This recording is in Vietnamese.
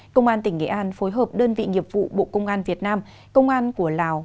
công an tỉnh nghệ an phối hợp đơn vị nghiệp vụ bộ công an việt nam công an của lào